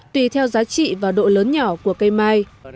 tùy theo giá trị và độ lớn nhỏ của cây mai